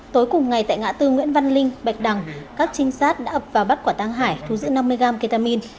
tối cùng ngày tại ngã tư nguyễn văn linh bạch đằng các trinh sát đã ập vào bắt quả tăng hải thu giữ năm mươi gram ketamin